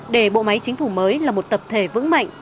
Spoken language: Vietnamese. để bộ máy chính phủ mới là một tập thể vững mạnh